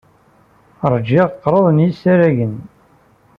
Ṛjiɣ kraḍ n yisragen.